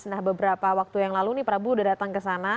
nah beberapa waktu yang lalu nih prabu udah datang kesana